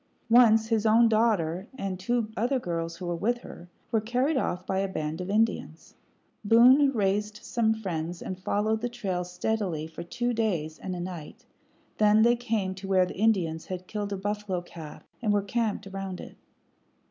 Once his own daughter, and two other girls who were with her, were carried off by a band of Indians. Boone raised some friends and followed the trail steadily for two days and a night; then they came to where the Indians had killed a buffalo calf and were camped around it.